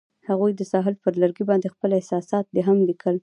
هغوی د ساحل پر لرګي باندې خپل احساسات هم لیکل.